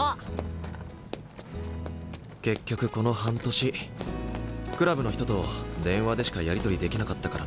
結局この半年クラブの人と電話でしかやり取りできなかったからな。